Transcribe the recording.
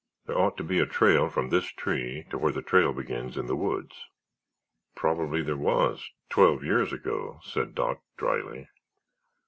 There ought to be a trail from this tree to where the trail begins in the woods." "Probably there was—twelve years ago," said Doc, dryly.